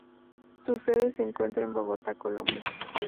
Su sede se encuentra en Bogotá, Colombia.